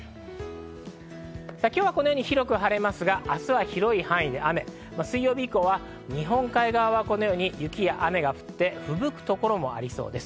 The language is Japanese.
今日は広く晴れますが、明日は広い範囲で雨、水曜日以降は日本海側は雪や雨が降って、吹雪くところもありそうです。